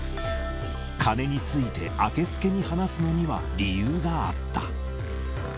金についてあけすけに話すのには、理由があった。